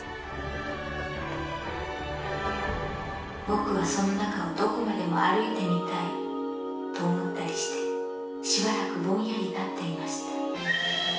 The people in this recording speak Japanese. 「ぼくはその中をどこまでも歩いてみたいと思ったりしてしばらくぼんやり立って居ました」